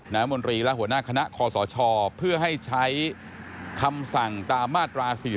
มนตรีและหัวหน้าคณะคอสชเพื่อให้ใช้คำสั่งตามมาตรา๔๔